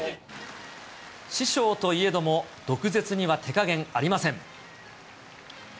師匠といえども毒舌には手加減ありません。